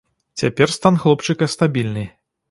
Цяпер стан хлопчыка стабільны.